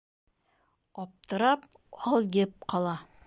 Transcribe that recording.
Аптырап, алйып ҡала!